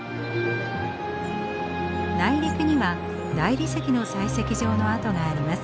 内陸には大理石の採石場の跡があります。